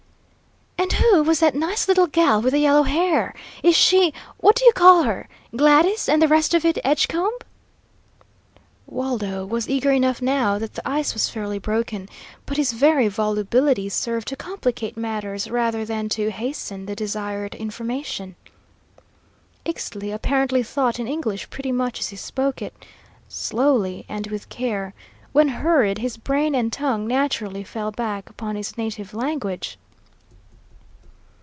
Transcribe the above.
"And who was that nice little gal with the yellow hair? Is she what did you call her? Gladys And the rest of it Edgecombe?" Waldo was eager enough now that the ice was fairly broken, but his very volubility served to complicate matters rather than to hasten the desired information. Ixtli apparently thought in English pretty much as he spoke it, slowly, and with care. When hurried, his brain and tongue naturally fell back upon his native language.